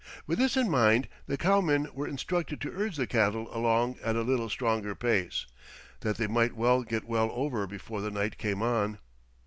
With this in mind the cowmen were instructed to urge the cattle along at a little stronger pace, that they might all get well over before the night came on.